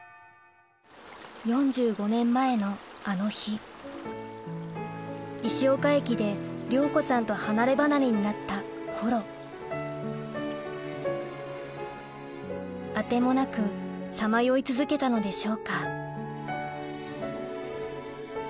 ４５年前のあの日石岡駅で亮子さんと離れ離れになったコロ当てもなくさまよい続けたのでしょうか